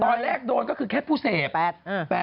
ตอนแรกโดนก็คือแค่ผู้เสพ